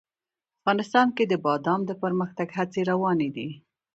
افغانستان کې د بادام د پرمختګ هڅې روانې دي.